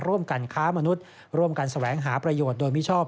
ร่วมกันค้ามนุษย์ร่วมกันแสวงหาประโยชน์โดยมิชอบ